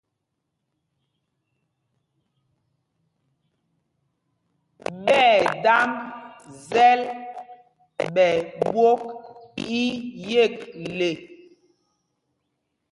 Ɓɛ̂ damb zɛl ɓɛ ɓwok iyekle.